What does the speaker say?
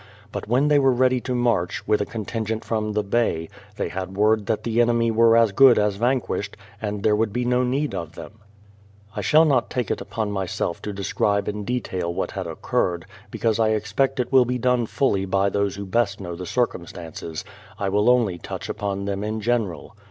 But when they were ready to march, with a contingent from the Bay, they had word that the enemy were as good as vanquished, and there would be no need of them. I shall not take upon myself to describe in detail what had occurred, because I expect it will be done fully by THE PLYIVIOUTH SETTLEIMENT 287 those who best know the circumstances; I will only touch upon them in general.